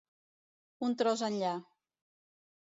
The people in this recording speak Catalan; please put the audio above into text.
Un tros enllà.